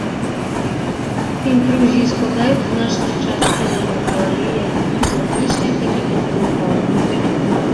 Інтрузіі складаюць значныя часткі зямной кары, як акіянічнай, так і кантынентальнай.